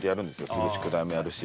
すぐ宿題もやるし。